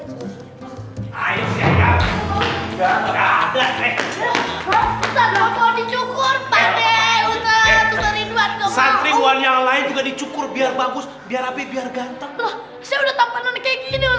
santri santri yang lain juga dicukur biar bagus biar api biar ganteng